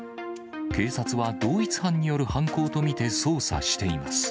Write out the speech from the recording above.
警察は同一犯による犯行と見て捜査しています。